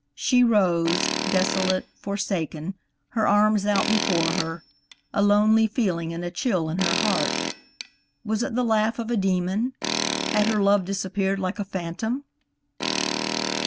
She rose, desolate, forsaken, her arms out before her, a lonely feeling and a chill in her heart. Was it the laugh of a demon? Had her love disappeared like a phantom?